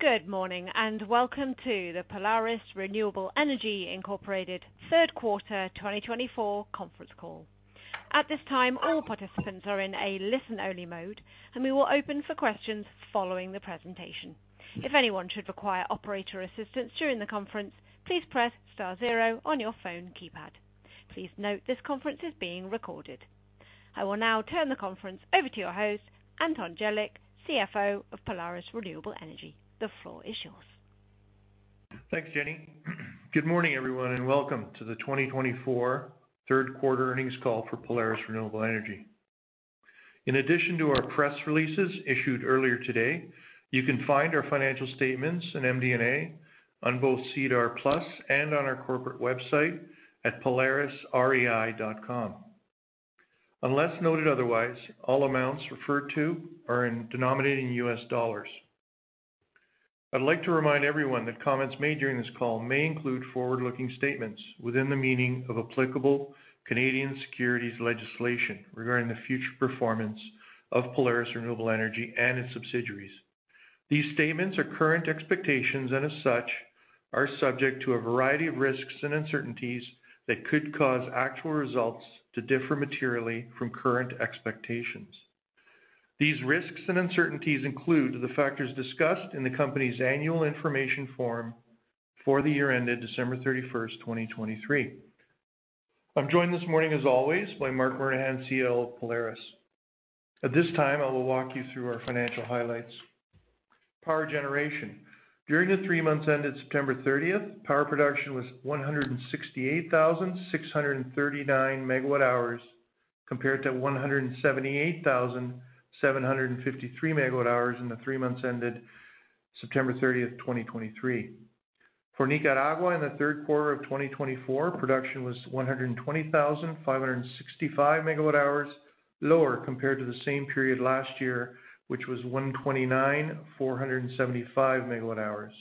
Good morning and welcome to the Polaris Renewable Energy Incorporated third quarter 2024 conference call. At this time, all participants are in a listen-only mode, and we will open for questions following the presentation. If anyone should require operator assistance during the conference, please press Star zero on your phone keypad. Please note this conference is being recorded. I will now turn the conference over to your host, Anton Jelic, CFO of Polaris Renewable Energy. The floor is yours. Thanks, Jenny. Good morning, everyone, and welcome to the 2024 third quarter earnings call for Polaris Renewable Energy. In addition to our press releases issued earlier today, you can find our financial statements and MD&A on both SEDAR+ and on our corporate website at polarisrei.com. Unless noted otherwise, all amounts referred to are denominated in U.S. dollars. I'd like to remind everyone that comments made during this call may include forward-looking statements within the meaning of applicable Canadian Securities Legislation regarding the future performance of Polaris Renewable Energy and its subsidiaries. These statements are current expectations and, as such, are subject to a variety of risks and uncertainties that could cause actual results to differ materially from current expectations. These risks and uncertainties include the factors discussed in the company's Annual Information Form for the year ended December 31st, 2023. I'm joined this morning, as always, by Marc Murnaghan, CEO of Polaris. At this time, I will walk you through our financial highlights. Power generation: during the three months ended September 30th, power production was 168,639 MW hours, compared to 178,753 MW hours in the three months ended September 30th, 2023. For Nicaragua, in the third quarter of 2024, production was 120,565 MW hours, lower compared to the same period last year, which was 129,475 MW hours.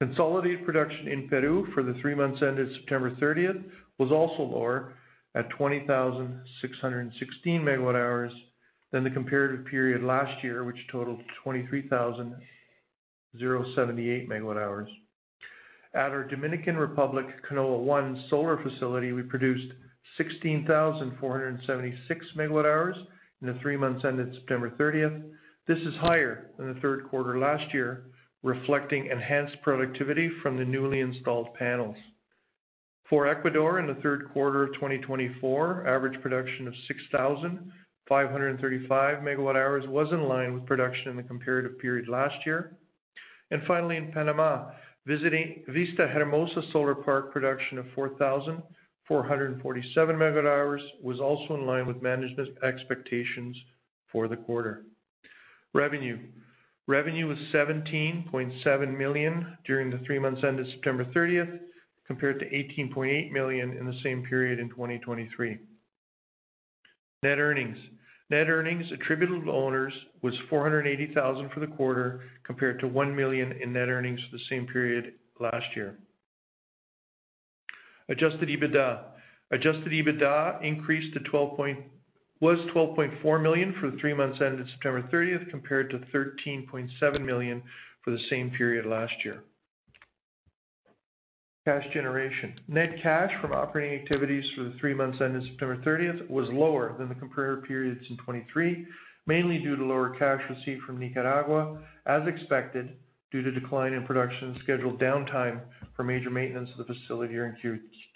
Consolidated production in Peru for the three months ended September 30th was also lower, at 20,616 MW hours, than the comparative period last year, which totaled 23,078 MW hours. At our Dominican Republic Canoa 1 solar facility, we produced 16,476 MW hours in the three months ended September 30th. This is higher than the third quarter last year, reflecting enhanced productivity from the newly installed panels. For Ecuador, in the third quarter of 2024, average production of 6,535 MW hours was in line with production in the comparative period last year. And finally, in Panama, visiting Vista Hermosa Solar Park, production of 4,447 MW hours was also in line with management expectations for the quarter. Revenue: revenue was $17.7 million during the three months ended September 30th, compared to $18.8 million in the same period in 2023. Net earnings: net earnings attributable to owners was $480,000 for the quarter, compared to $1 million in net earnings for the same period last year. Adjusted EBITDA: adjusted EBITDA increased to $12.4 million for the three months ended September 30th, compared to $13.7 million for the same period last year. Cash generation: net cash from operating activities for the three months ended September 30th was lower than the comparative periods in 2023, mainly due to lower cash received from Nicaragua, as expected due to decline in production and scheduled downtime for major maintenance of the facility during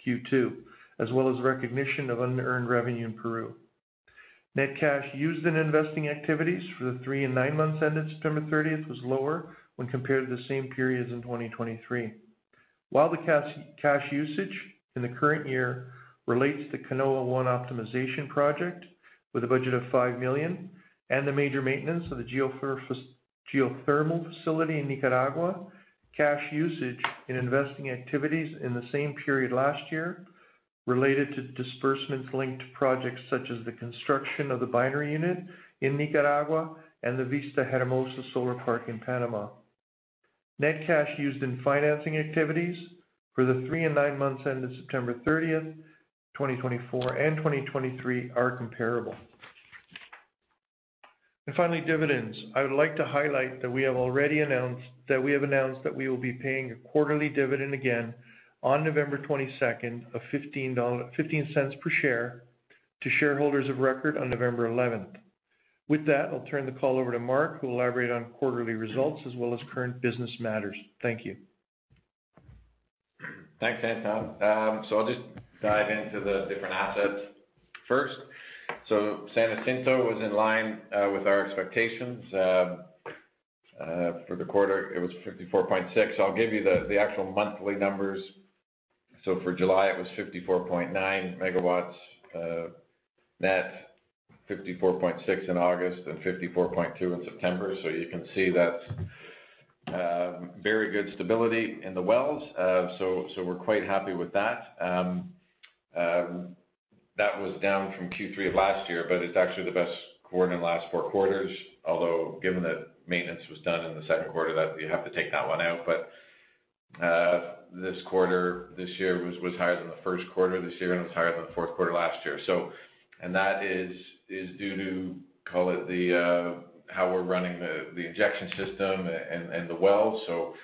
Q2, as well as recognition of unearned revenue in Peru. Net cash used in investing activities for the three and nine months ended September 30th was lower when compared to the same periods in 2023. While the cash usage in the current year relates to Canoa I optimization project with a budget of $5 million and the major maintenance of the geothermal facility in Nicaragua, cash usage in investing activities in the same period last year related to disbursements linked to projects such as the construction of the binary unit in Nicaragua and the Vista Hermosa Solar Park in Panama. Net cash used in financing activities for the three and nine months ended September 30th, 2024, and 2023 are comparable. Finally, dividends: I would like to highlight that we have already announced that we will be paying a quarterly dividend again on November 22nd of $0.15 per share to shareholders of record on November 11th. With that, I'll turn the call over to Marc, who will elaborate on quarterly results as well as current business matters. Thank you. Thanks, Anton. So I'll just dive into the different assets first. So San Jacinto was in line with our expectations for the quarter. It was 54.6 MW. So I'll give you the actual monthly numbers. So for July, it was 54.9 MW net, 54.6 MW in August, and 54.2 MW in September. So you can see that's very good stability in the wells. So we're quite happy with that. That was down from Q3 of last year, but it's actually the best quarter in the last four quarters, although given that maintenance was done in the second quarter, you have to take that one out. But this quarter this year was higher than the first quarter this year, and it was higher than the fourth quarter last year. And that is due to, call it, how we're running the injection system and the wells. So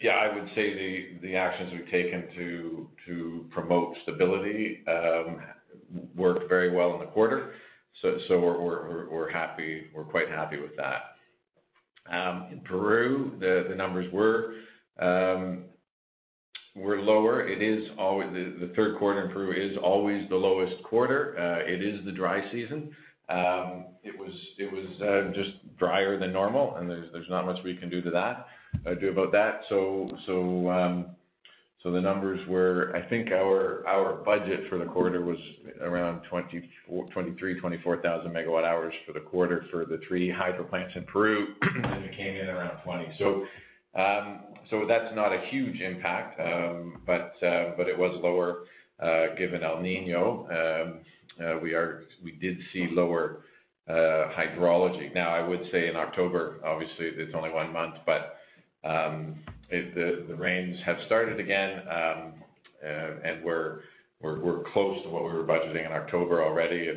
yeah, I would say the actions we've taken to promote stability worked very well in the quarter. We're quite happy with that. In Peru, the numbers were lower. The third quarter in Peru is always the lowest quarter. It is the dry season. It was just drier than normal, and there's not much we can do about that. The numbers were, I think our budget for the quarter was around 23,000 MW ours-24,000 MW hours for the quarter for the three hydro plants in Peru, and we came in around 20,000 MW hours. That's not a huge impact, but it was lower given El Niño. We did see lower hydrology. I would say in October, obviously, it's only one month, but the rains have started again, and we're close to what we were budgeting in October already.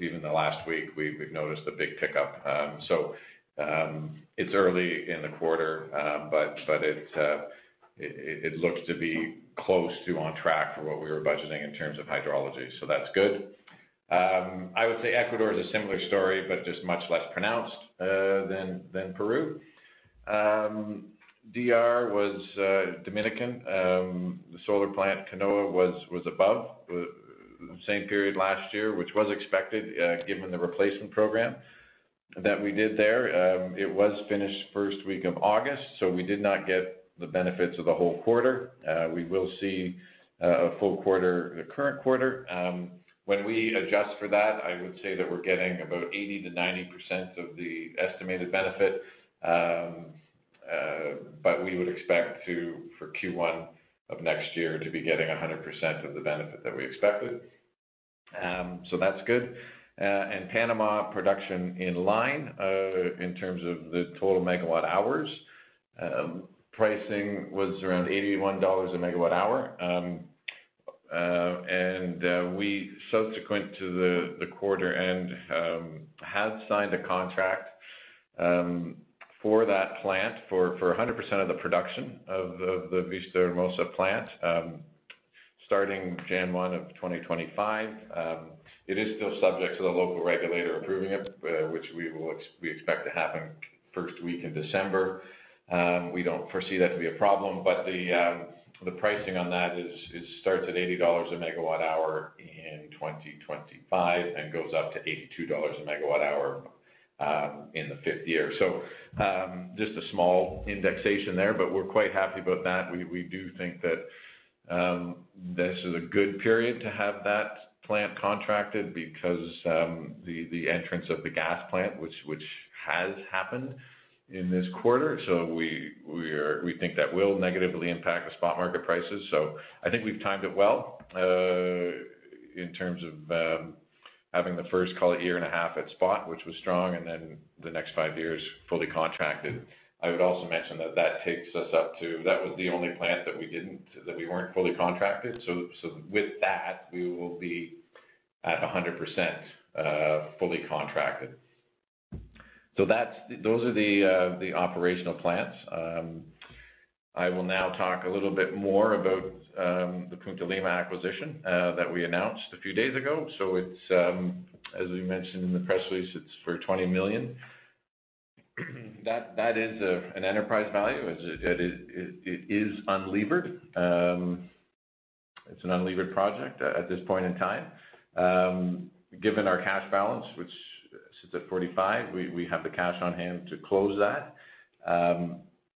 Even the last week, we've noticed a big pickup. So it's early in the quarter, but it looks to be close to on track for what we were budgeting in terms of hydrology. So that's good. I would say Ecuador is a similar story, but just much less pronounced than Peru. DR was Dominican. The solar plant Canoa was above the same period last year, which was expected given the replacement program that we did there. It was finished first week of August, so we did not get the benefits of the whole quarter. We will see a full quarter the current quarter. When we adjust for that, I would say that we're getting about 80%-90% of the estimated benefit, but we would expect for Q1 of next year to be getting 100% of the benefit that we expected. So that's good. And Panama production in line in terms of the total megawatt hours. Pricing was around $81 a megawatt hour, and we, subsequent to the quarter-end, had signed a contract for that plant for 100% of the production of the Vista Hermosa plant starting January of 2025. It is still subject to the local regulator approving it, which we expect to happen first week in December. We don't foresee that to be a problem, but the pricing on that starts at $80 a megawatt hour in 2025 and goes up to $82 a megawatt hour in the fifth year. So just a small indexation there, but we're quite happy about that. We do think that this is a good period to have that plant contracted because the entrance of the gas plant, which has happened in this quarter. So we think that will negatively impact the spot market prices. I think we've timed it well in terms of having the first, call it, year and a half at spot, which was strong, and then the next five years fully contracted. I would also mention that that takes us up to that was the only plant that we weren't fully contracted. With that, we will be at 100% fully contracted. Those are the operational plants. I will now talk a little bit more about the Punta Lima acquisition that we announced a few days ago. As we mentioned in the press release, it's for $20 million. That is an enterprise value. It is unlevered. It's an unlevered project at this point in time. Given our cash balance, which sits at $45 million, we have the cash on hand to close that.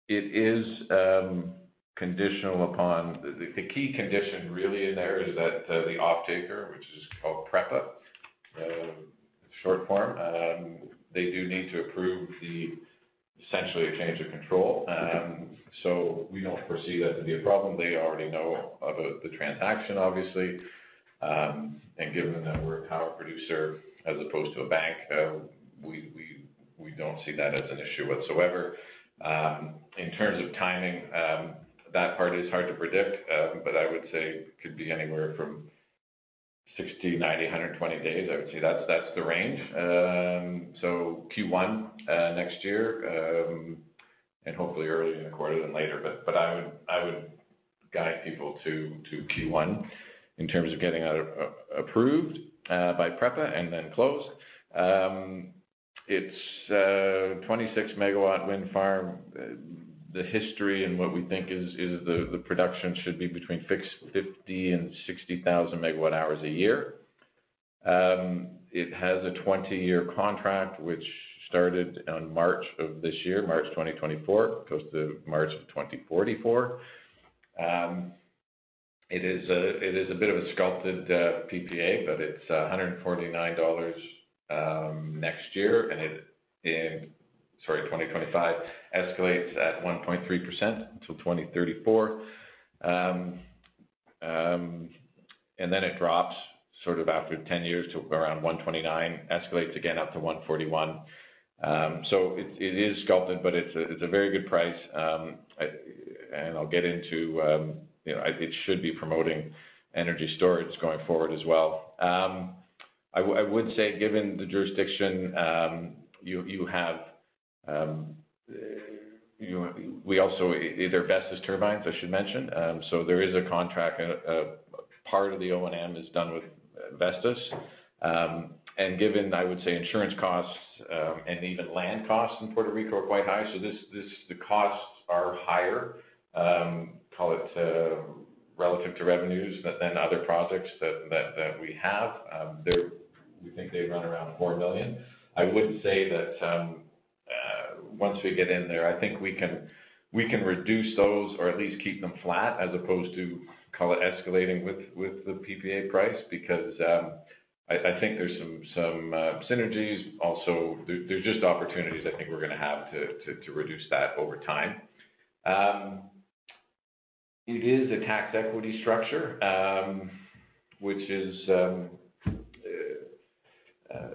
It is conditional upon the key condition. Really, in there is that the off-taker, which is called PREPA, short form, they do need to approve essentially a change of control. So we don't foresee that to be a problem. They already know about the transaction, obviously. And given that we're a power producer as opposed to a bank, we don't see that as an issue whatsoever. In terms of timing, that part is hard to predict, but I would say it could be anywhere from 60, 90, 120 days. I would say that's the range. So Q1 next year and hopefully early in the quarter than later. But I would guide people to Q1 in terms of getting approved by PREPA and then closed. It's a 26 MW wind farm. The history and what we think is the production should be between 50,000 MW hours and 60,000 MW hours a year. It has a 20-year contract, which started in March of this year, March 2024, goes to March of 2044. It is a bit of a sculpted PPA, but it's $149 next year, and sorry, 2025 escalates at 1.3% until 2034. And then it drops sort of after 10 years to around $129, escalates again up to $141. So it is sculpted, but it's a very good price. And I'll get into it should be promoting energy storage going forward as well. I would say, given the jurisdiction, you have we also either Vestas turbines, I should mention. So there is a contract, and part of the O&M is done with Vestas. And given, I would say, insurance costs and even land costs in Puerto Rico are quite high. So the costs are higher, call it, relative to revenues than other projects that we have. We think they run around $4 million. I would say that once we get in there, I think we can reduce those or at least keep them flat as opposed to, call it, escalating with the PPA price because I think there's some synergies. Also, there's just opportunities I think we're going to have to reduce that over time. It is a tax equity structure, which is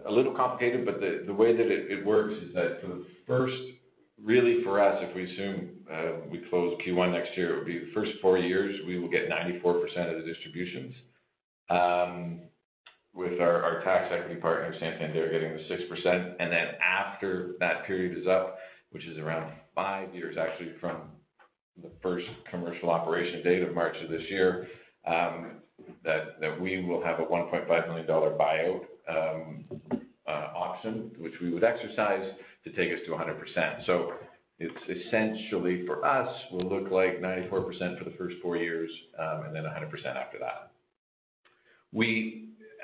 a little complicated, but the way that it works is that for the first, really for us, if we assume we close Q1 next year, it would be the first four years, we will get 94% of the distributions with our tax equity partner, Santander, getting the 6%. And then after that period is up, which is around five years actually from the first commercial operation date of March of this year, that we will have a $1.5 million buyout option, which we would exercise to take us to 100%. So it's essentially for us, we'll look like 94% for the first four years and then 100% after that.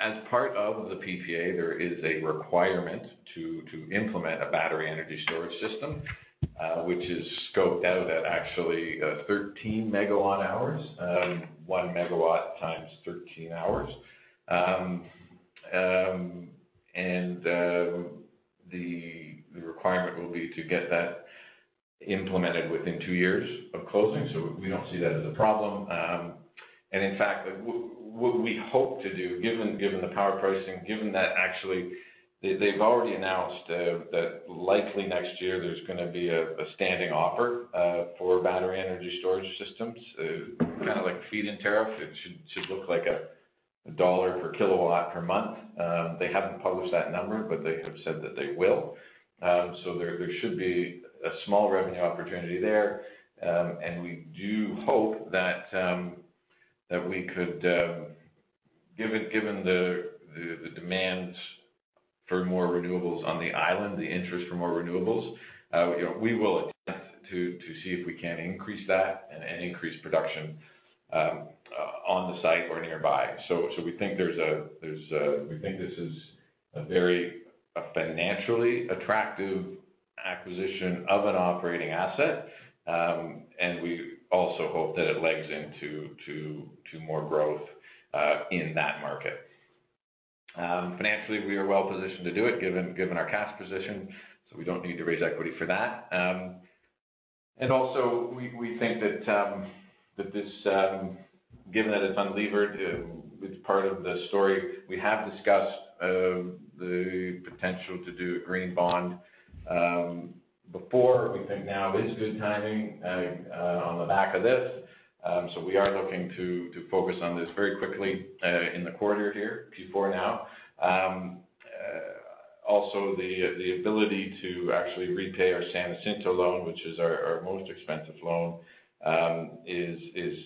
As part of the PPA, there is a requirement to implement a battery energy storage system, which is scoped out at actually 13 MW hours, 1 MW x 13 hours. And the requirement will be to get that implemented within two years of closing. So we don't see that as a problem. In fact, what we hope to do, given the power pricing, given that actually they've already announced that likely next year there's going to be a standing offer for battery energy storage systems, kind of like feed-in tariff. It should look like $1 per kilowatt per month. They haven't published that number, but they have said that they will. So there should be a small revenue opportunity there. And we do hope that we could, given the demand for more renewables on the island, the interest for more renewables, we will attempt to see if we can increase that and increase production on the site or nearby. We think this is a very financially attractive acquisition of an operating asset. And we also hope that it legs into more growth in that market. Financially, we are well positioned to do it given our cash position. So we don't need to raise equity for that. And also, we think that this, given that it's unlevered, it's part of the story. We have discussed the potential to do a green bond before. We think now is good timing on the back of this. So we are looking to focus on this very quickly in the quarter here, Q4 now. Also, the ability to actually repay our San Jacinto loan, which is our most expensive loan, is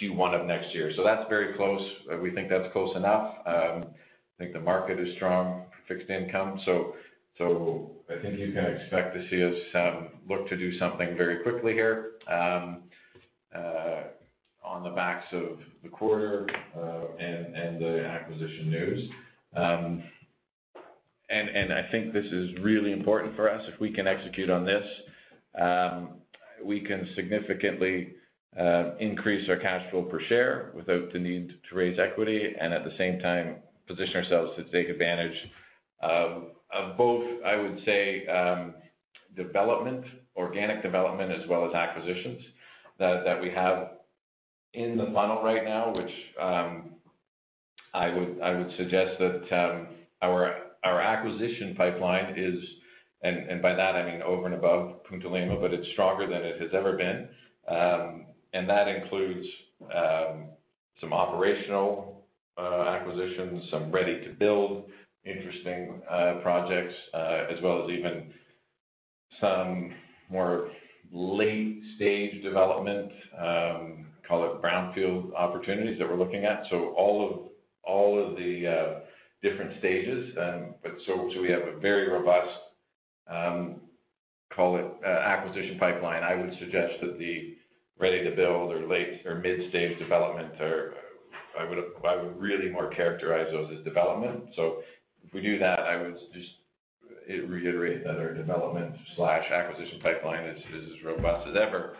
Q1 of next year. So that's very close. We think that's close enough. I think the market is strong, fixed income. So I think you can expect to see us look to do something very quickly here on the back of the quarter and the acquisition news. And I think this is really important for us. If we can execute on this, we can significantly increase our cash flow per share without the need to raise equity and at the same time position ourselves to take advantage of both, I would say, development, organic development, as well as acquisitions that we have in the funnel right now, which I would suggest that our acquisition pipeline is, and by that, I mean over and above Punta Lima, but it's stronger than it has ever been. And that includes some operational acquisitions, some ready-to-build interesting projects, as well as even some more late-stage development, call it brownfield opportunities that we're looking at. So all of the different stages. So we have a very robust, call it, acquisition pipeline. I would suggest that the ready-to-build or late or mid-stage development, I would really more characterize those as development. So if we do that, I would just reiterate that our development/acquisition pipeline is as robust as ever.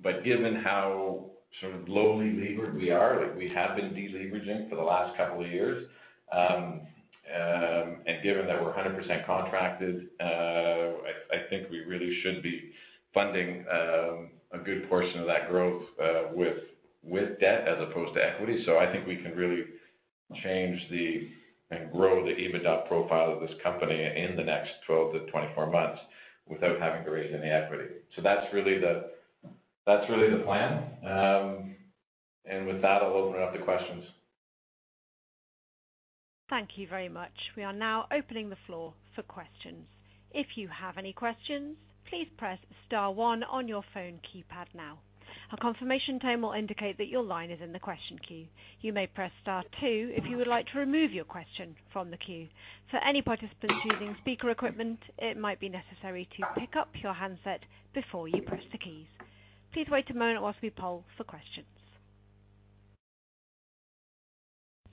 But given how lightly levered we are, we have been deleveraging for the last couple of years. And given that we're 100% contracted, I think we really should be funding a good portion of that growth with debt as opposed to equity. So I think we can really change and grow the EBITDA profile of this company in the next 12-24 months without having to raise any equity. So that's really the plan. And with that, I'll open it up to questions. Thank you very much. We are now opening the floor for questions. If you have any questions, please press Star one on your phone keypad now. A confirmation tone will indicate that your line is in the question queue. You may press Star two if you would like to remove your question from the queue. For any participants using speaker equipment, it might be necessary to pick up your handset before you press the keys. Please wait a moment while we poll for questions.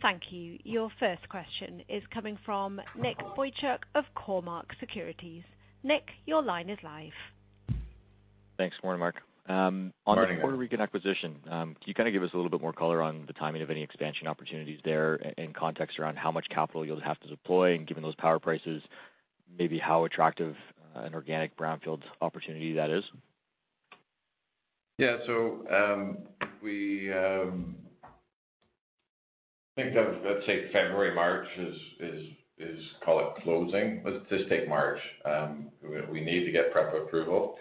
Thank you. Your first question is coming from Nick Boychuk of Cormark Securities. Nick, your line is live. Thanks. Morning, Marc. On the Puerto Rican acquisition, can you kind of give us a little bit more color on the timing of any expansion opportunities there and context around how much capital you'll have to deploy and given those power prices, maybe how attractive an organic brownfield opportunity that is? Yeah, so we think of, let's say, February, March is, call it, closing. Let's just take March. We need to get PREPA approval.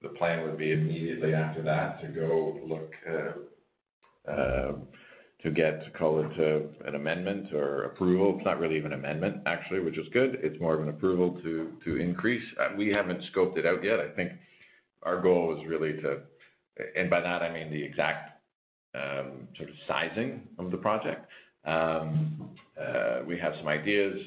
The plan would be immediately after that to go look to get, call it, an amendment or approval. It's not really even an amendment, actually, which is good. It's more of an approval to increase. We haven't scoped it out yet. I think our goal is really to, and by that, I mean the exact sort of sizing of the project. We have some ideas,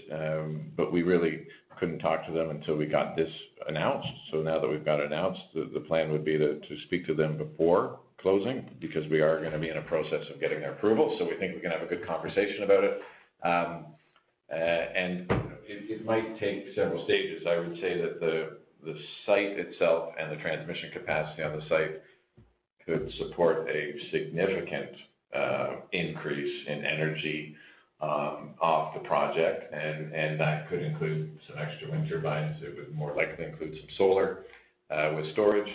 but we really couldn't talk to them until we got this announced, so now that we've got it announced, the plan would be to speak to them before closing because we are going to be in a process of getting their approval, so we think we can have a good conversation about it, and it might take several stages. I would say that the site itself and the transmission capacity on the site could support a significant increase in energy off the project, and that could include some extra wind turbines. It would more likely include some solar with storage,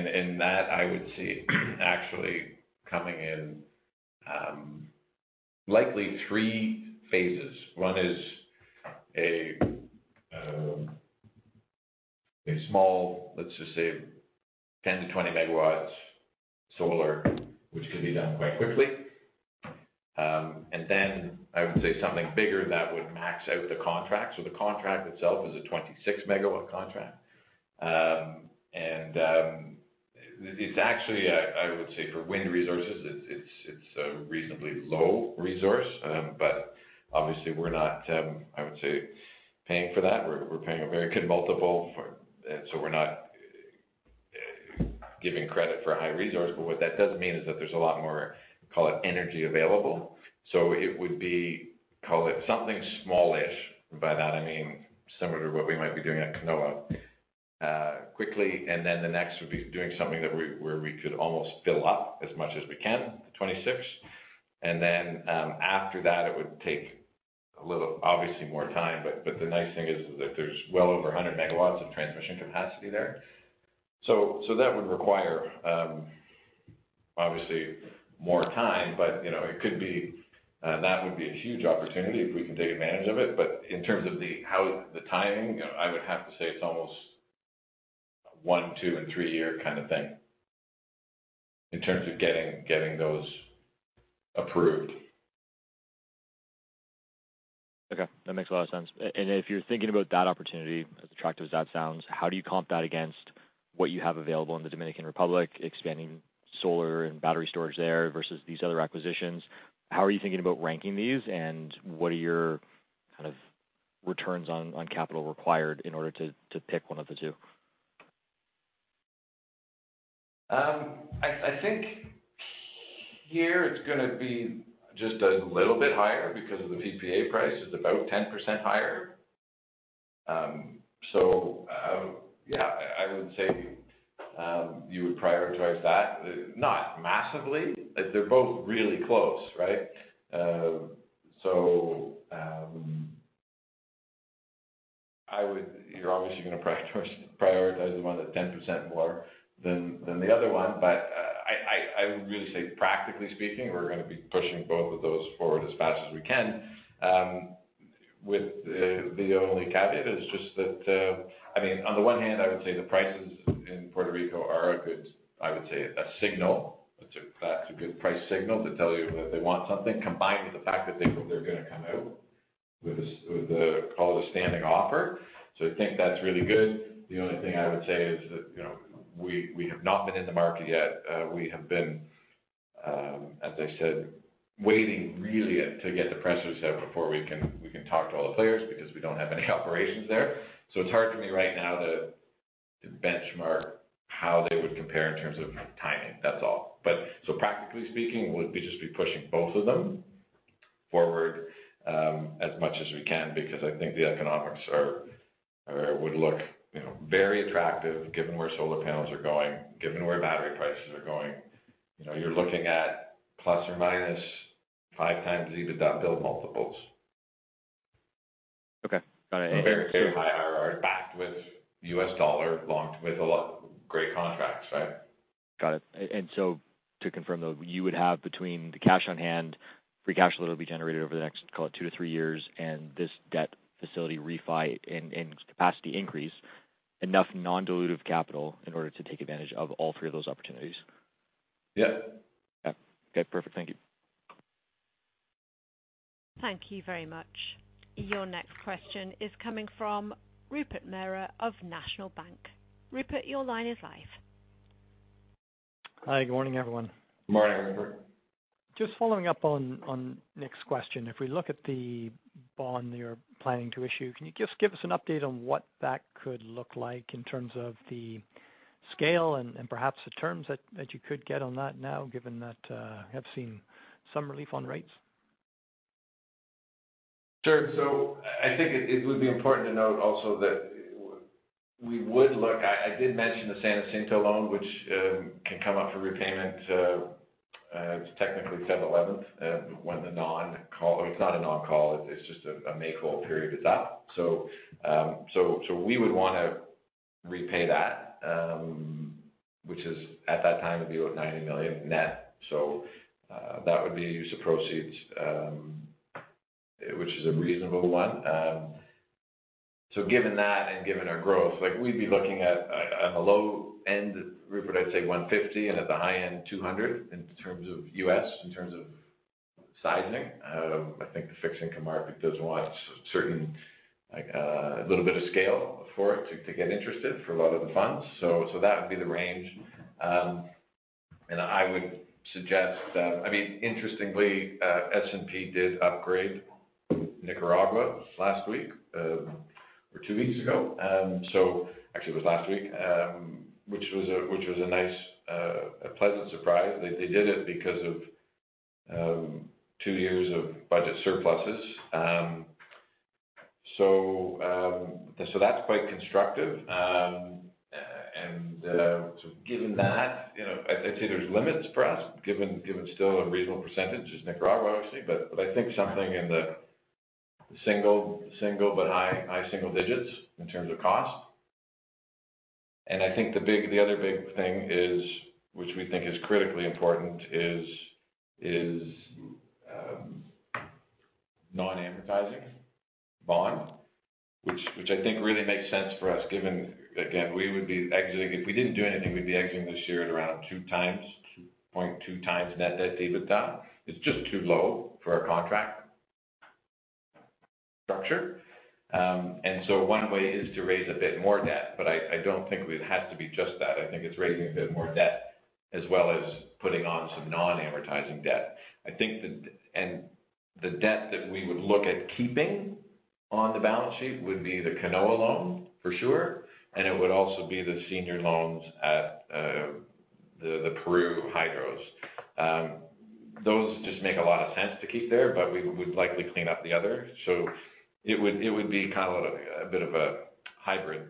and that, I would see actually coming in likely three phases. One is a small, let's just say, 10 MW-20 MW solar, which could be done quite quickly, and then I would say something bigger that would max out the contract, so the contract itself is a 26 MW contract, and it's actually, I would say, for wind resources, it's a reasonably low resource, but obviously, we're not, I would say, paying for that. We're paying a very good multiple, and so we're not giving credit for a high resource, but what that does mean is that there's a lot more, call it, energy available. So it would be, call it, something smallish. And by that, I mean similar to what we might be doing at Canoa quickly. And then the next would be doing something where we could almost fill up as much as we can, the 26 MW. And then after that, it would take a little, obviously, more time. But the nice thing is that there's well over 100 MW of transmission capacity there. So that would require, obviously, more time. But it could be that would be a huge opportunity if we can take advantage of it. But in terms of the timing, I would have to say it's almost one, two, and three-year kind of thing in terms of getting those approved. Okay. That makes a lot of sense. And if you're thinking about that opportunity, as attractive as that sounds, how do you comp that against what you have available in the Dominican Republic, expanding solar and battery storage there versus these other acquisitions? How are you thinking about ranking these? And what are your kind of returns on capital required in order to pick one of the two? I think here it's going to be just a little bit higher because of the PPA price. It's about 10% higher. So yeah, I would say you would prioritize that. Not massively. They're both really close, right? So you're obviously going to prioritize the one that's 10% more than the other one. But I would really say, practically speaking, we're going to be pushing both of those forward as fast as we can. With the only caveat is just that, I mean, on the one hand, I would say the prices in Puerto Rico are a good, I would say, a signal. That's a good price signal to tell you that they want something combined with the fact that they're going to come out with a, call it, a standing offer. So I think that's really good. The only thing I would say is that we have not been in the market yet. We have been, as I said, waiting really to get the press releases out before we can talk to all the players because we don't have any operations there. So it's hard for me right now to benchmark how they would compare in terms of timing. That's all. But so practically speaking, we'll just be pushing both of them forward as much as we can because I think the economics would look very attractive given where solar panels are going, given where battery prices are going. You're looking at ±5 times EBITDA build multiples. Okay. Got it. A very high hierarchy backed with U.S. dollar, locked with a lot of great contracts, right? Got it. And so to confirm though, you would have between the cash on hand, free cash flow that'll be generated over the next, call it, two to three years, and this debt facility refi and capacity increase, enough non-dilutive capital in order to take advantage of all three of those opportunities? Yeah. Okay. Okay. Perfect. Thank you. Thank you very much. Your next question is coming from Rupert Merer of National Bank. Rupert, your line is live. Hi. Good morning, everyone. Good morning, Rupert. Just following up on Nick's question, if we look at the bond you're planning to issue, can you just give us an update on what that could look like in terms of the scale and perhaps the terms that you could get on that now, given that you have seen some relief on rates? Sure. So I think it would be important to note also that we would look. I did mention the San Jacinto loan, which can come up for repayment. It's technically February 11th when the non-call, or it's not a non-call. It's just a make-whole period is up. So we would want to repay that, which at that time would be about $90 million net. So that would be a use of proceeds, which is a reasonable one. So given that and given our growth, we'd be looking at on the low end, Rupert, I'd say $150 million-$200 million in terms of USD, in terms of sizing. I think the fixed income market does want a little bit of scale for it to get interested for a lot of the funds. So that would be the range. I would suggest, I mean, interestingly, S&P did upgrade Nicaragua last week or two weeks ago. Actually, it was last week, which was a nice, pleasant surprise. They did it because of two years of budget surpluses. That's quite constructive. Given that, I'd say there's limits for us, given still a reasonable percentage is Nicaragua, obviously. But I think something in the single but high single digits in terms of cost. I think the other big thing, which we think is critically important, is non-amortizing bond, which I think really makes sense for us given, again, we would be exiting. If we didn't do anything, we'd be exiting this year at around 2.2x net debt EBITDA. It's just too low for our contract structure. One way is to raise a bit more debt. But I don't think it has to be just that. I think it's raising a bit more debt as well as putting on some non-amortizing debt. And the debt that we would look at keeping on the balance sheet would be the Canoa loan, for sure. And it would also be the senior loans at the Peru Hydros. Those just make a lot of sense to keep there, but we would likely clean up the other. So it would be kind of a bit of a hybrid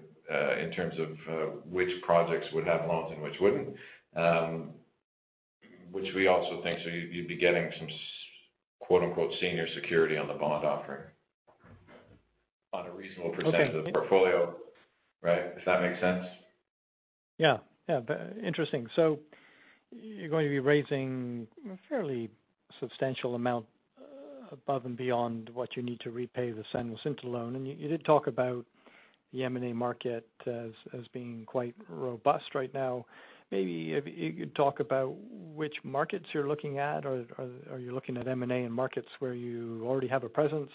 in terms of which projects would have loans and which wouldn't, which we also think so you'd be getting some "senior security" on the bond offering on a reasonable percentage of the portfolio, right? Does that make sense? Yeah. Yeah. Interesting. So you're going to be raising a fairly substantial amount above and beyond what you need to repay the San Jacinto loan. And you did talk about the M&A market as being quite robust right now. Maybe you could talk about which markets you're looking at. Are you looking at M&A in markets where you already have a presence?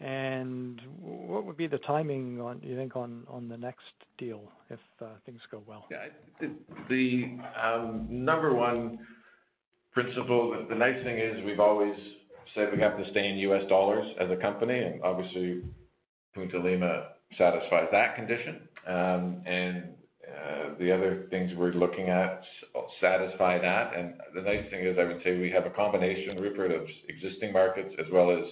And what would be the timing, do you think, on the next deal if things go well? Yeah. The number one principle, the nice thing is we've always said we have to stay in U.S. dollars as a company. And obviously, Punta Lima satisfies that condition. And the other things we're looking at satisfy that. And the nice thing is I would say we have a combination, Rupert, of existing markets as well as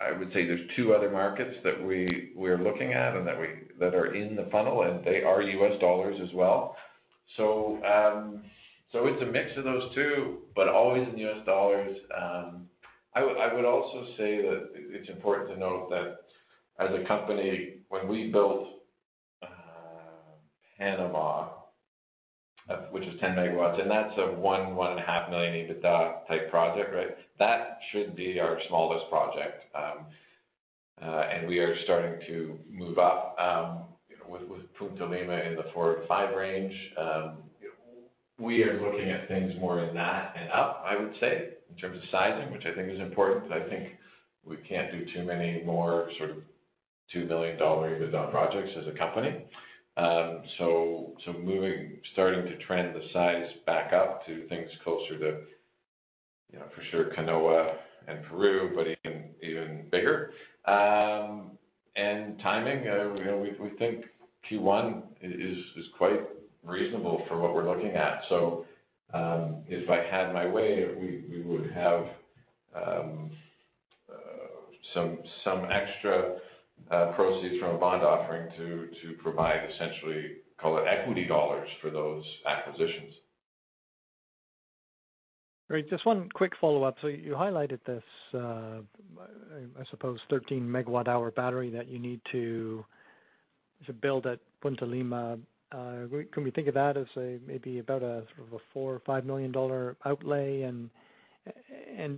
I would say there's two other markets that we're looking at and that are in the funnel, and they are U.S. dollars as well. So it's a mix of those two, but always in U.S. dollars. I would also say that it's important to note that as a company, when we built Panama, which is 10 MW, and that's a $1 million-$1.5 million EBITDA type project, right? That should be our smallest project. And we are starting to move up with Punta Lima in the $4 million-$5 million range. We are looking at things more in that and up, I would say, in terms of sizing, which I think is important. I think we can't do too many more sort of $2 million EBITDA projects as a company. So starting to trend the size back up to things closer to, for sure, Canoa and Peru, but even bigger. And timing, we think Q1 is quite reasonable for what we're looking at. So if I had my way, we would have some extra proceeds from a bond offering to provide essentially, call it, equity dollars for those acquisitions. Great. Just one quick follow-up. So you highlighted this, I suppose, 13 MW hour battery that you need to build at Punta Lima. Can we think of that as maybe about a $4 million or $5 million outlay?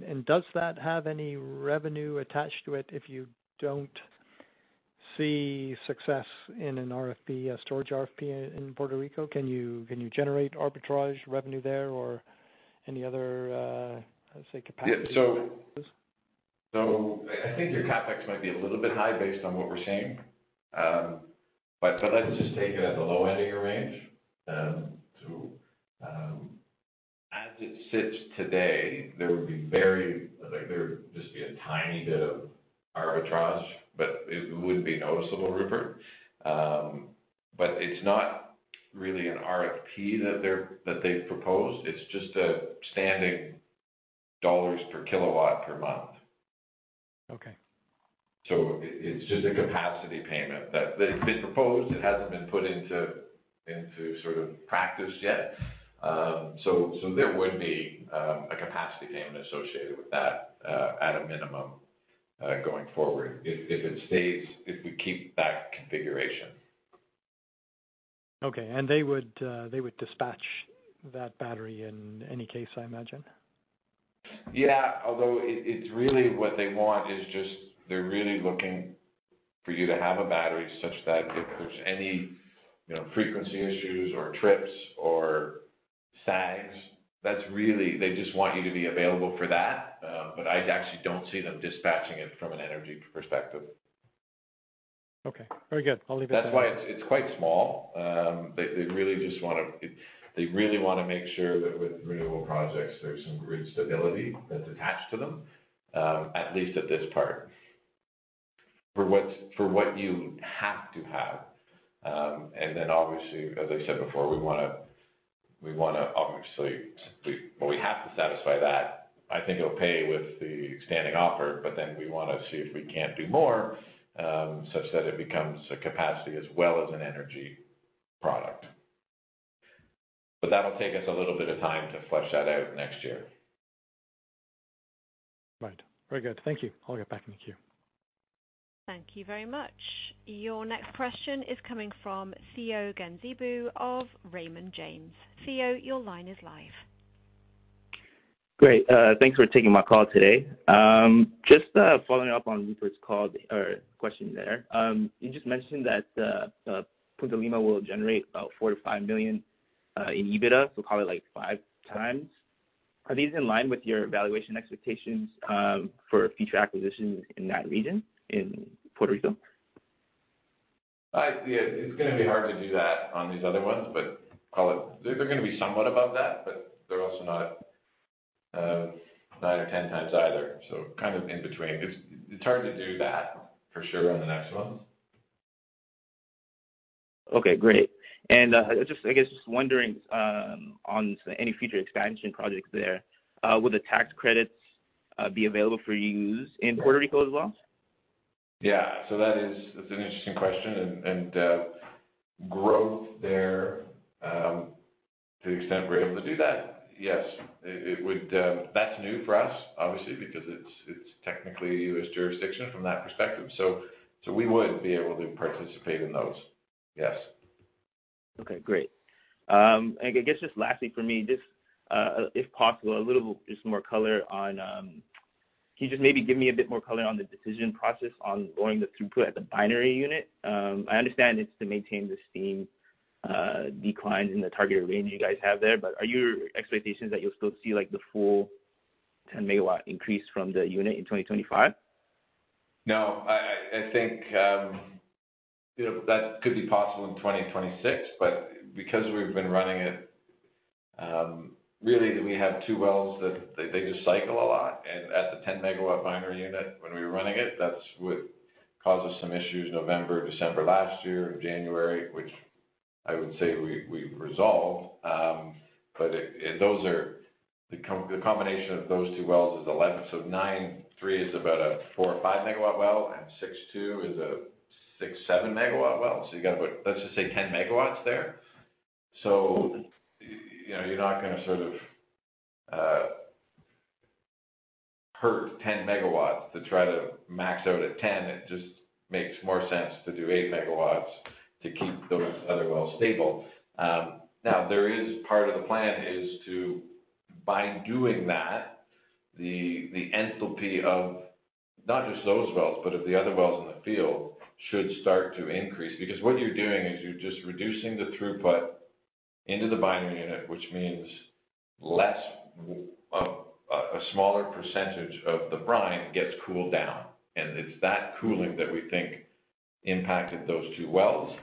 And does that have any revenue attached to it if you don't see success in an RFP, a storage RFP in Puerto Rico? Can you generate arbitrage revenue there or any other, I would say, capacity? Yeah. So I think your CapEx might be a little bit high based on what we're seeing. But let's just take it at the low end of your range. So as it sits today, there would just be a tiny bit of arbitrage, but it wouldn't be noticeable, Rupert. But it's not really an RFP that they've proposed. It's just a standing offer dollars per kilowatt per month. Okay. So it's just a capacity payment that they've proposed. It hasn't been put into sort of practice yet. So there would be a capacity payment associated with that at a minimum going forward if we keep that configuration. Okay, and they would dispatch that battery in any case, I imagine? Yeah. Although it's really what they want is just they're really looking for you to have a battery such that if there's any frequency issues or trips or sags, they just want you to be available for that. But I actually don't see them dispatching it from an energy perspective. Okay. Very good. I'll leave it there. That's why it's quite small. They really just want to make sure that with renewable projects, there's some grid stability that's attached to them, at least at this part, for what you have to have, and then, obviously, as I said before, we want to obviously well, we have to satisfy that. I think it'll play with the standing offer, but then we want to see if we can't do more such that it becomes a capacity as well as an energy product, but that'll take us a little bit of time to flesh that out next year. Right. Very good. Thank you. I'll get back into queue. Thank you very much. Your next question is coming from Teo Genzebu of Raymond James. Theo, your line is live. Great. Thanks for taking my call today. Just following up on Rupert's question there, you just mentioned that Punta Lima will generate about $4 million-$5 million in EBITDA, so probably like 5x. Are these in line with your evaluation expectations for future acquisitions in that region in Puerto Rico? It's going to be hard to do that on these other ones, but they're going to be somewhat above that, but they're also not 9x or 10x either. So kind of in between. It's hard to do that for sure on the next ones. Okay. Great. And I guess just wondering on any future expansion projects there, will the tax credits be available for use in Puerto Rico as well? Yeah. So that's an interesting question and growth there, to the extent we're able to do that, yes. That's new for us, obviously, because it's technically U.S. jurisdiction from that perspective, so we would be able to participate in those. Yes. Okay. Great. And I guess just lastly for me, just if possible, a little just more color on can you just maybe give me a bit more color on the decision process on going through the binary unit? I understand it's to maintain the steam declines in the target range you guys have there, but are your expectations that you'll still see the full 10 MW increase from the unit in 2025? No. I think that could be possible in 2026, but because we've been running it, really, we have two wells that they just cycle a lot. And at the 10 MW binary unit, when we were running it, that's what caused us some issues November, December last year, January, which I would say we resolved. But those are the combination of those two wells is 11 MW. So 9 MW, 3 MW is about a 4 MW or 5 MW well, and 6 MW, 2 MW is a 6 MW, 7 MW well. So you got to put, let's just say, 10 MW there. So you're not going to sort of hurt 10 MW to try to max out at 10 MW. It just makes more sense to do 8 MW to keep those other wells stable. Now, there is part of the plan is to, by doing that, the enthalpy of not just those wells, but of the other wells in the field should start to increase. Because what you're doing is you're just reducing the throughput into the binary unit, which means a smaller percentage of the brine gets cooled down. And it's that cooling that we think impacted those two wells.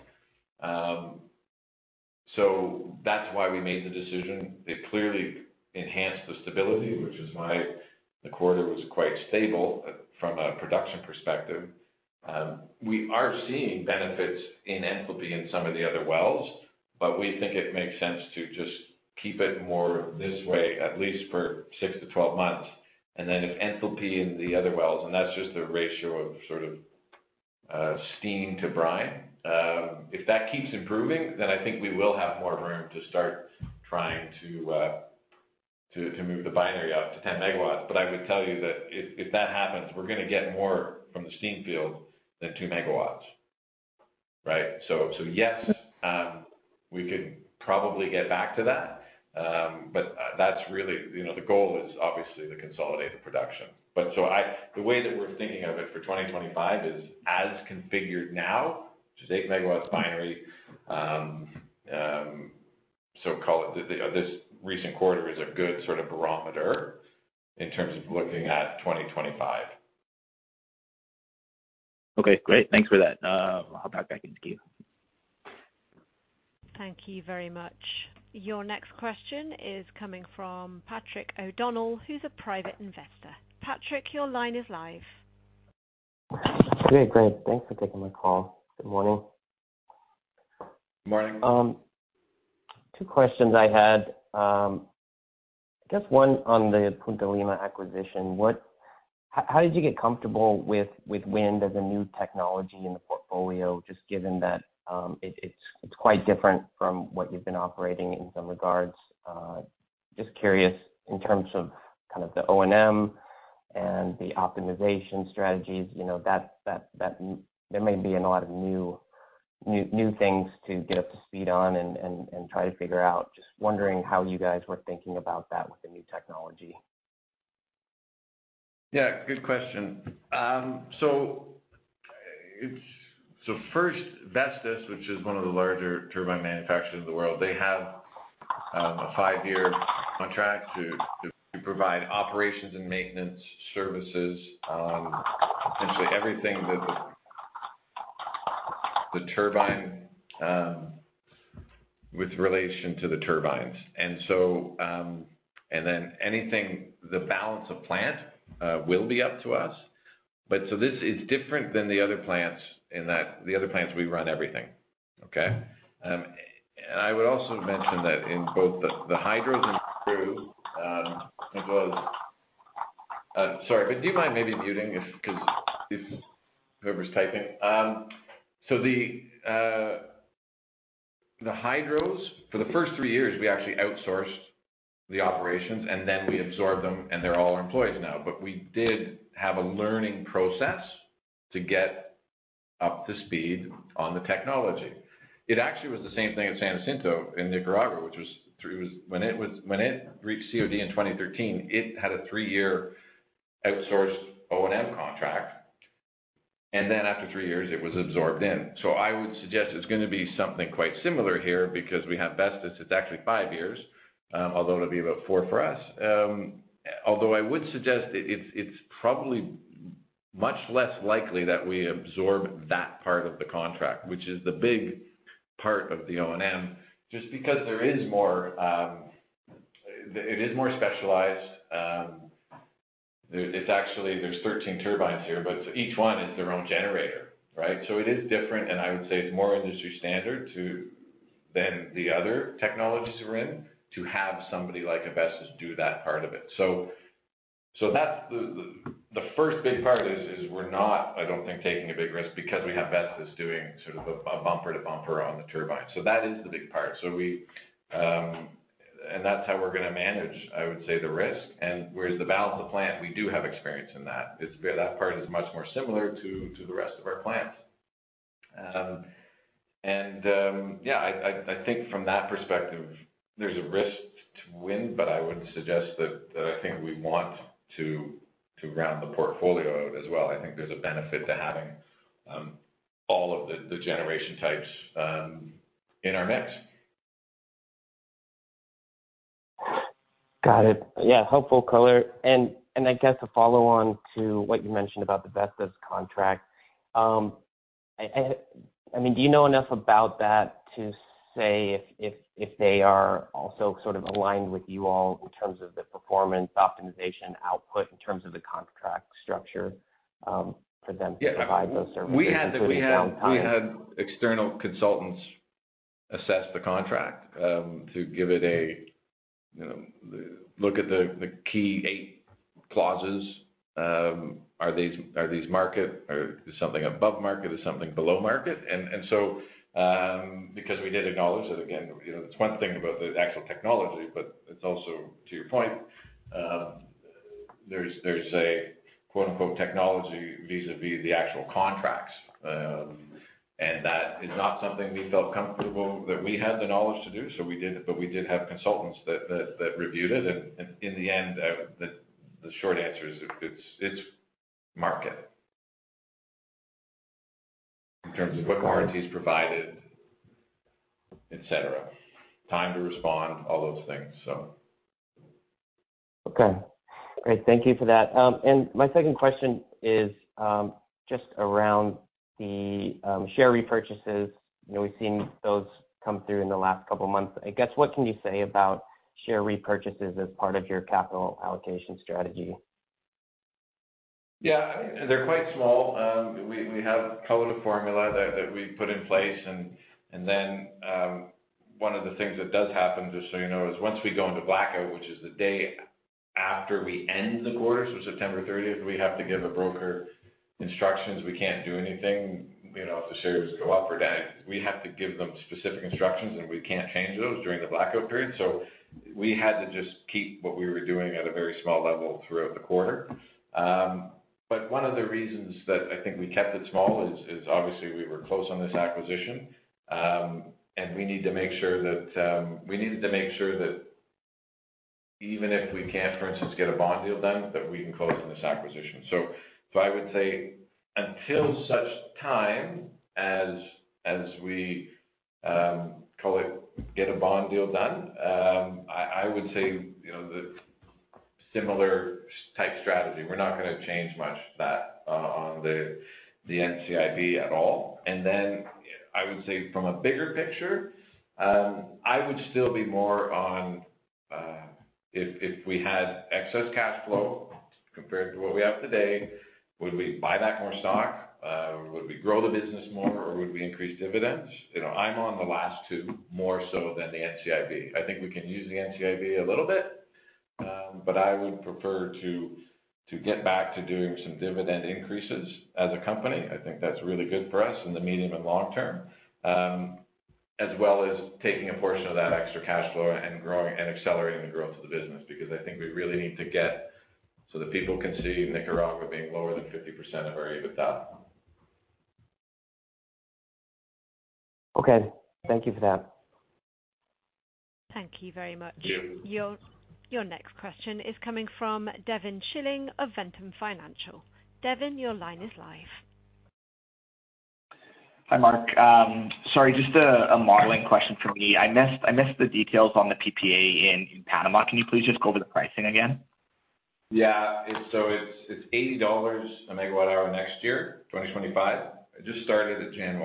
So that's why we made the decision. It clearly enhanced the stability, which is why the quarter was quite stable from a production perspective. We are seeing benefits in enthalpy in some of the other wells, but we think it makes sense to just keep it more this way, at least for six to 12 months. And then if enthalpy in the other wells, and that's just the ratio of sort of steam to brine, if that keeps improving, then I think we will have more room to start trying to move the binary up to 10 MW. But I would tell you that if that happens, we're going to get more from the steam field than 2 MW, right? So yes, we can probably get back to that. But that's really the goal is obviously to consolidate the production. But so the way that we're thinking of it for 2025 is as configured now, which is 8 MW binary. So call it this recent quarter is a good sort of barometer in terms of looking at 2025. Okay. Great. Thanks for that. I'll back into queue. Thank you very much. Your next question is coming from Patrick O'Donnell, who's a private investor. Patrick, your line is live. Okay. Great. Thanks for taking my call. Good morning. Good morning. Two questions I had. I guess one on the Punta Lima acquisition. How did you get comfortable with wind as a new technology in the portfolio, just given that it's quite different from what you've been operating in some regards? Just curious in terms of kind of the O&M and the optimization strategies. There may be a lot of new things to get up to speed on and try to figure out. Just wondering how you guys were thinking about that with the new technology. Yeah. Good question. So first, Vestas, which is one of the larger turbine manufacturers in the world, they have a five-year contract to provide operations and maintenance services, essentially everything that the turbine with relation to the turbines. And then anything, the balance of plant will be up to us. But so it's different than the other plants in that the other plants, we run everything, okay? And I would also mention that in both the hydros and geos, as well as sorry, but do you mind maybe muting because whoever's typing? So the hydros, for the first three years, we actually outsourced the operations, and then we absorbed them, and they're all employees now. But we did have a learning process to get up to speed on the technology. It actually was the same thing at San Jacinto in Nicaragua, which was when it reached COD in 2013. It had a three-year outsourced O&M contract. And then after three years, it was absorbed in. So I would suggest it's going to be something quite similar here because we have Vestas. It's actually five years, although it'll be about four for us. Although I would suggest it's probably much less likely that we absorb that part of the contract, which is the big part of the O&M, just because there is more it is more specialized. There's 13 turbines here, but each one is their own generator, right? So it is different, and I would say it's more industry standard than the other technologies we're in to have somebody like a Vestas do that part of it. So the first big part is we're not, I don't think, taking a big risk because we have Vestas doing sort of a bumper-to-bumper on the turbine. So that is the big part. And that's how we're going to manage, I would say, the risk. And whereas the balance of plant, we do have experience in that. That part is much more similar to the rest of our plants. And yeah, I think from that perspective, there's a risk to win, but I would suggest that I think we want to round the portfolio out as well. I think there's a benefit to having all of the generation types in our mix. Got it. Yeah. Helpful color. And I guess to follow on to what you mentioned about the Vestas contract, I mean, do you know enough about that to say if they are also sort of aligned with you all in terms of the performance, optimization, output in terms of the contract structure for them to provide those services over the long time? Yeah. We had external consultants assess the contract to give it a look at the key eight clauses. Are these market? Are they something above market? Is something below market? And so because we did acknowledge that, again, it's one thing about the actual technology, but it's also, to your point, there's a "technology" vis-à-vis the actual contracts. And that is not something we felt comfortable that we had the knowledge to do, but we did have consultants that reviewed it. And in the end, the short answer is it's market in terms of what warranties provided, etc., time to respond, all those things, so. Okay. Great. Thank you for that. And my second question is just around the share repurchases. We've seen those come through in the last couple of months. I guess what can you say about share repurchases as part of your capital allocation strategy? Yeah. They're quite small. We have a formula that we put in place. And then one of the things that does happen, just so you know, is once we go into blackout, which is the day after we end the quarter, so September 30th, we have to give a broker instructions. We can't do anything if the shares go up or down. We have to give them specific instructions, and we can't change those during the blackout period. So we had to just keep what we were doing at a very small level throughout the quarter. But one of the reasons that I think we kept it small is obviously we were close on this acquisition, and we need to make sure that we needed to make sure that even if we can't, for instance, get a bond deal done, that we can close on this acquisition. So, I would say until such time as we get a bond deal done, I would say similar type strategy. We're not going to change much on the NCIB at all, and then I would say from a bigger picture, I would still be more on if we had excess cash flow compared to what we have today, would we buy that more stock? Would we grow the business more? Or would we increase dividends? I'm on the last two more so than the NCIB. I think we can use the NCIB a little bit, but I would prefer to get back to doing some dividend increases as a company. I think that's really good for us in the medium and long-term, as well as taking a portion of that extra cash flow and accelerating the growth of the business because I think we really need to get so that people can see Nicaragua being lower than 50% of our EBITDA. Okay. Thank you for that. Thank you very much. Your next question is coming from Devin Schilling of Ventum Financial. Devin, your line is live. Hi, Marc. Sorry, just a modeling question for me. I missed the details on the PPA in Panama. Can you please just go over the pricing again? Yeah, so it's $80 a megawatt hour next year, 2025. It just started at January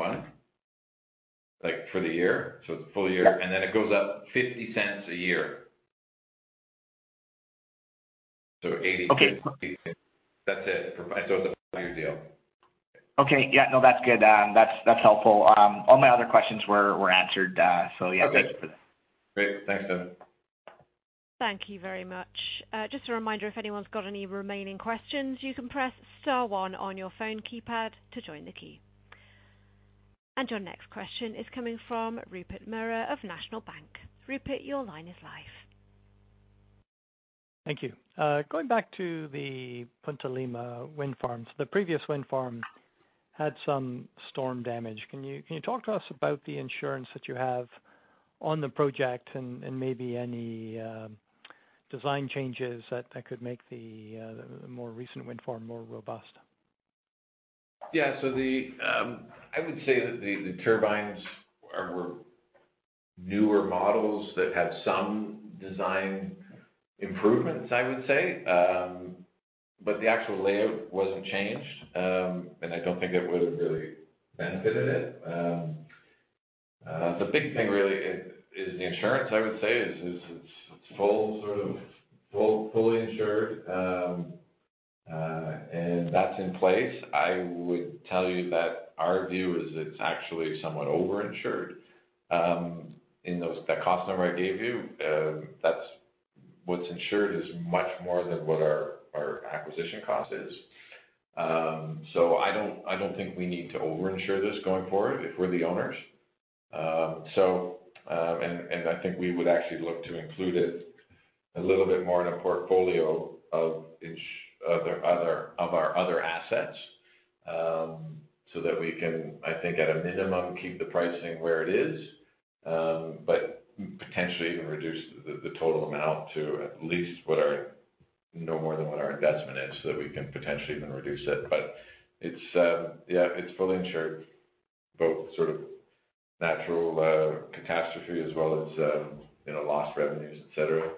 1 for the year. So it's a full year, and then it goes up $0.50 a year. So $0.80. That's it, so it's a five-year deal. Okay. Yeah. No, that's good. That's helpful. All my other questions were answered. So yeah, thank you for that. Okay. Great. Thanks, Dev. Thank you very much. Just a reminder, if anyone's got any remaining questions, you can press star one on your phone keypad to join the queue, and your next question is coming from Rupert Merer of National Bank Financial. Rupert, your line is live. Thank you. Going back to the Punta Lima wind farm, so the previous wind farm had some storm damage. Can you talk to us about the insurance that you have on the project and maybe any design changes that could make the more recent wind farm more robust? Yeah. So I would say that the turbines were newer models that had some design improvements, I would say. But the actual layout wasn't changed, and I don't think it would have really benefited it. The big thing really is the insurance, I would say, is it's fully insured, and that's in place. I would tell you that our view is it's actually somewhat overinsured. In that cost number I gave you, what's insured is much more than what our acquisition cost is. So I don't think we need to overinsure this going forward if we're the owners. I think we would actually look to include it a little bit more in a portfolio of our other assets so that we can, I think, at a minimum, keep the pricing where it is, but potentially even reduce the total amount to at least no more than what our investment is so that we can potentially even reduce it. But yeah, it's fully insured, both sort of natural catastrophe as well as lost revenues, etc.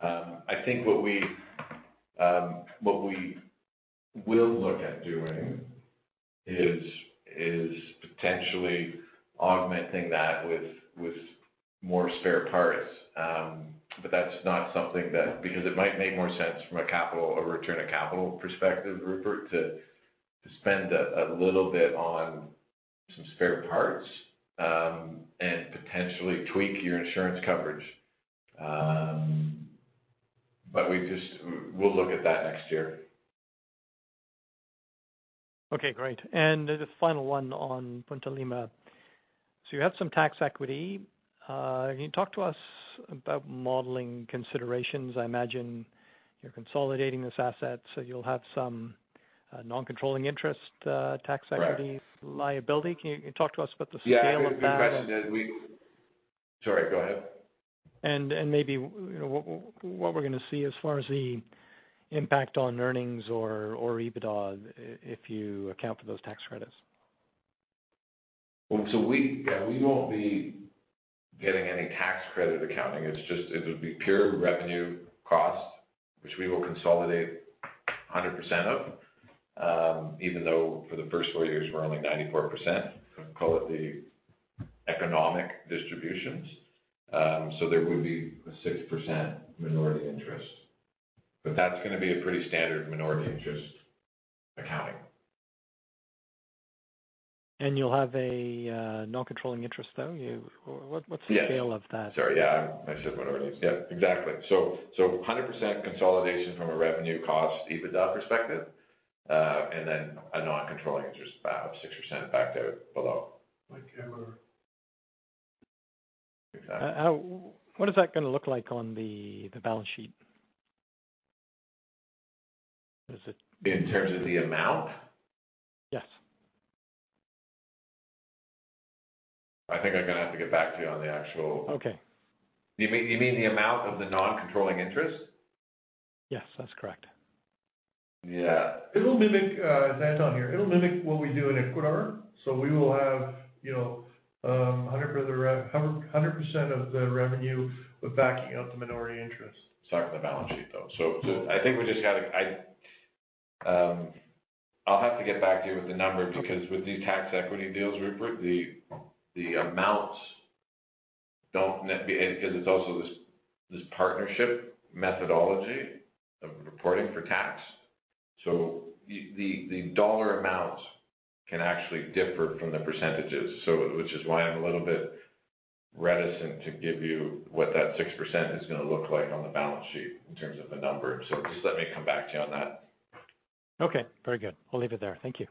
I think what we will look at doing is potentially augmenting that with more spare parts. But that's not something that, because it might make more sense from a capital or return of capital perspective, Rupert, to spend a little bit on some spare parts and potentially tweak your insurance coverage. But we'll look at that next year. Okay. Great. And the final one on Punta Lima. So you have some tax equity. Can you talk to us about modeling considerations? I imagine you're consolidating this asset, so you'll have some non-controlling interest tax equity liability. Can you talk to us about t he scale of that? Yeah. The question is, sorry, go ahead. Maybe what we're going to see as far as the impact on earnings or EBITDA if you account for those tax credits. So we won't be getting any tax credit accounting. It would be pure revenue cost, which we will consolidate 100% of, even though for the first four years, we're only 94%. Call it the economic distributions. So there would be a 6% minority interest. But that's going to be a pretty standard minority interest accounting. You'll have a non-controlling interest, though? What's the scale of that? Yeah. Sorry. Yeah. I said minority. Yeah. Exactly. So 100% consolidation from a revenue, cost, EBITDA perspective, and then a non-controlling interest of 6% backed out below. My camera. What is that going to look like on the balance sheet? Is it? In terms of the amount? Yes. I think I'm going to have to get back to you on the actual. Okay. You mean the amount of the non-controlling interest? Yes, that's correct. Yeah. It will mimic Anton here. It'll mimic what we do in Ecuador. So we will have 100% of the revenue backing up the minority interest. Sorry for the balance sheet, though. So I think we just got to, I'll have to get back to you with the number because with these tax equity deals, Rupert, the amounts don't, because it's also this partnership methodology of reporting for tax. So the dollar amounts can actually differ from the percentages, which is why I'm a little bit reticent to give you what that 6% is going to look like on the balance sheet in terms of the number. So just let me come back to you on that. Okay. Very good. We'll leave it there. Thank you.